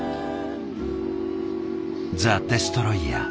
ザ・デストロイヤー。